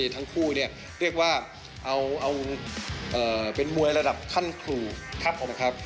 ทั้งคู่เรียกว่าเป็นมวยระดับขั้นขรูครับผมครับ